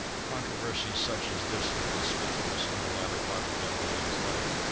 Controversies such as this were conspicuous in the latter part of Galileo's life.